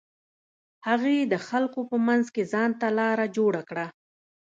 هغې د خلکو په منځ کښې ځان ته لاره جوړه کړه.